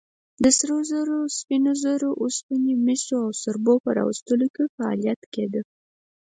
د سرو زرو، سپینو زرو، اوسپنې، مسو او سربو په راویستلو کې فعالیت کېده.